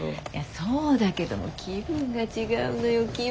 そうだけど気分が違うのよ気分が。